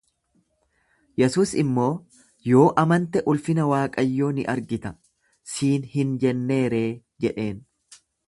Yesuus immoo, Yoo amante ulfina Waaqayyoo ni argita siin hin jenneeree? jedheen.